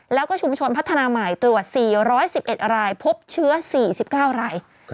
แล้วก็ชุมชนพัฒนาใหม่ตรวจ๔๑๑รายพบเชื้อ๔๙ราย